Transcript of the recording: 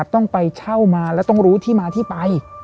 ต้องไปเช่ามาแล้วต้องรู้ที่มาที่ไป